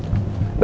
terima kasih tante